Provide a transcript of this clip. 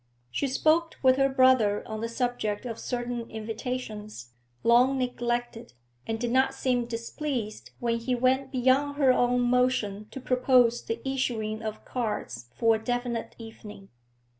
She spoke with her brother on the subject of certain invitations, long neglected, and did not seem displeased when he went beyond her own motion to propose the issuing of cards for a definite evening.